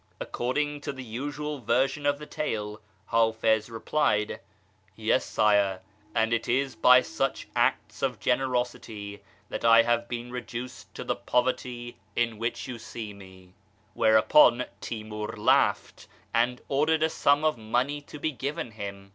According to the usual version of the tale, Hiifiz replied, " Yes, sire, and it is by such acts of generosity that I have been reduced to the poverty in which you see me "; whereupon Timi'ir laughed, and ordered a sum of money to be given him.